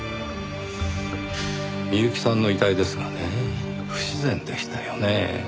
美由紀さんの遺体ですがね不自然でしたよねぇ。